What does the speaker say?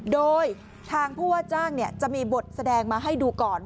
โดยทางผู้ว่าจ้างจะมีบทแสดงมาให้ดูก่อน